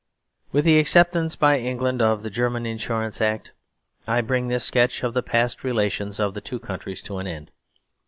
With the acceptance by England of the German Insurance Act, I bring this sketch of the past relations of the two countries to an end.